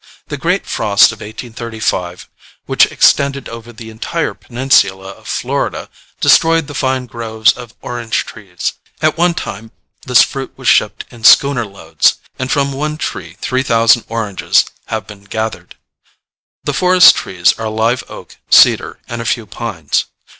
The great frost of 1835, which extended over the entire peninsula of Florida, destroyed the fine groves of orange trees: at one time this fruit was shipped in schooner loads, and from one tree three thousand oranges have been gathered. The forest trees are live oak, cedar and a few pines.